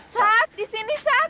sat di sini sat